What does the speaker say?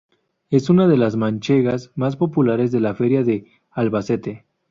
Es una de las manchegas más populares de la Feria de Albacete.